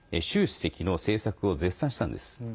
主席の政策を絶賛したんです。